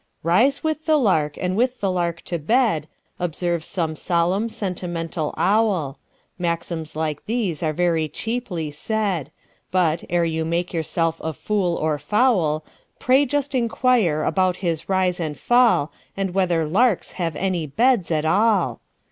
"Rise with the lark, and with the lark to bed,"Observes some solemn, sentimental owl; Maxims like these are very cheaply said; But, ere you make yourself a fool or fowl, Pray just inquire about his rise and fall, And whether larks have any beds at all!